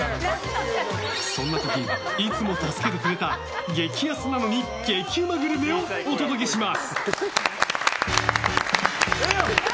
そんな時、いつも助けてくれた激安なのに激うまグルメをお届けします！